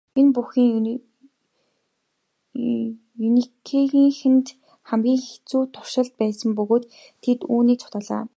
Энэ бүхэн Кюрегийнхэнд хамгийн хэцүү туршилт байсан бөгөөд тэд үүнээс зугтлаа.